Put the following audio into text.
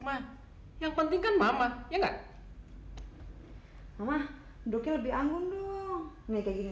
perhatikan mama ya nggak hai mama duk lebih anggun dong kayak gini ya